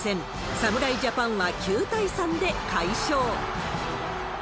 侍ジャパンは９対３で快勝。